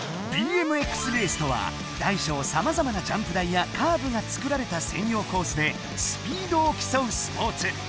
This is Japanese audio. ＢＭＸレースとは大小さまざまなジャンプ台やカーブが作られた専用コースでスピードを競うスポーツ。